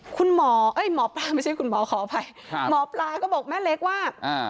คุณหมอเอ้ยหมอปลาไม่ใช่คุณหมอขออภัยครับหมอปลาก็บอกแม่เล็กว่าอ่า